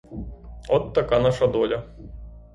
От така наша доля.